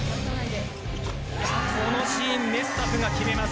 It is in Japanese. このシーン、メストダフが決めます。